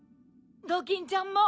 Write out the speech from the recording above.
ドキンちゃんも。